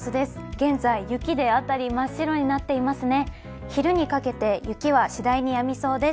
現在雪で辺り真っ白になっていますね。